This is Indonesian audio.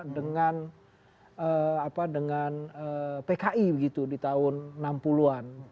dengan pki begitu di tahun enam puluh an